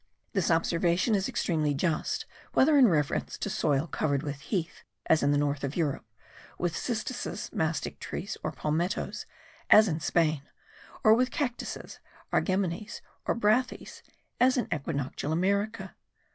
This observation is extremely just whether in reference to soil covered with heath, as in the north of Europe; with cistuses, mastic trees, or palmettos, as in Spain; or with cactuses, argemones, or brathys, as in equinoctial America.